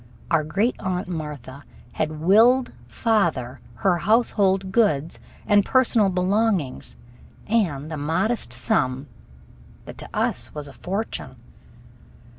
Our Great Aunt Martha had willed father her household goods and personal belongings and a modest sum that to us was a fortune.